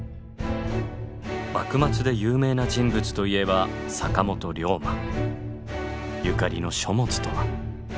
幕末で有名な人物といえばゆかりの書物とは？